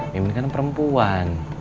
mimin kan perempuan